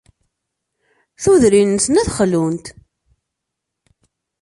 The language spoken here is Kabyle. Tudrin-nsen ad xlunt.